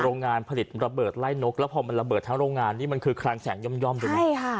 โรงงานผลิตระเบิดไล่นกแล้วพอมันระเบิดทั้งโรงงานนี่มันคือคลังแสงย่อมด้วยใช่ค่ะ